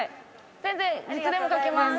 全然いつでも書きます。